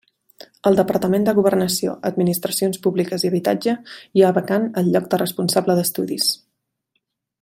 Al Departament de Governació, Administracions Públiques i Habitatge hi ha vacant el lloc de responsable d'estudis.